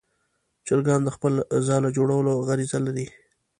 چرګان د خپل ځاله جوړولو غریزه لري.